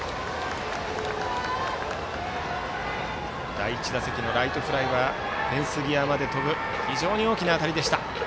第１打席のライトフライはフェンス際まで飛ぶ非常に大きな当たりでした。